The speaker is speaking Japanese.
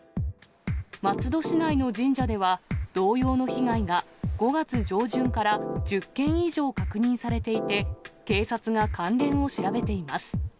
松戸市内の神社では、同様の被害が５月上旬から１０件以上確認されていて、警察が関連を調べています。